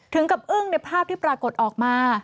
ถึงกับอึ้งในภาพที่ปรากฏออกมา